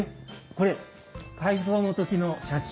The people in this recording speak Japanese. これ改装の時の写真。